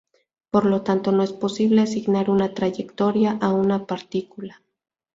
Por lo tanto no es posible asignar una trayectoria a una partícula.